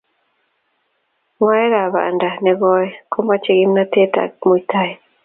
Ngwaekab banda negooi komochei kimnateet ak muitaet